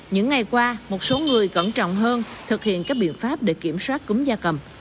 những ngày qua một số người cẩn trọng hơn thực hiện các biện pháp để kiểm soát cúm da cầm